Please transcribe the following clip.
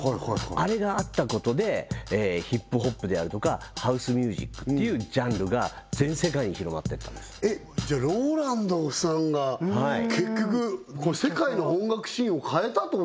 あれがあったことでヒップホップであるとかハウスミュージックっていうジャンルが全世界に広まっていったんですじゃあローランドさんが結局世界の音楽シーンを変えたってことですね